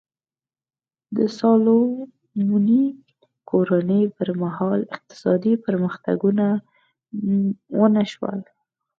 د سالومونیک کورنۍ پر مهال اقتصادي پرمختګونه ونه شول.